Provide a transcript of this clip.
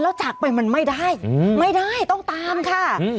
แล้วจากไปมันไม่ได้ไม่ได้ต้องตามค่ะ